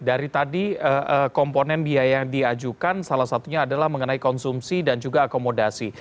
dari tadi komponen biaya yang diajukan salah satunya adalah mengenai konsumsi dan juga akomodasi